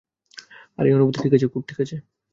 আর এই অনুভূতি ঠিক আছে, খুব ঠিক আছে।